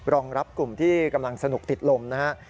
รองรับกลุ่มที่กำลังสนุกติดลมนะครับ